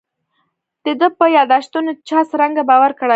د ده په یاداشتونو چا څرنګه باور کړی.